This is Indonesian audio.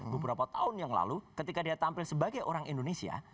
beberapa tahun yang lalu ketika dia tampil sebagai orang indonesia